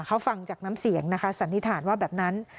เขาฟังจากน้ำเสียงนะคะสันนิษฐานว่าแบบนั้น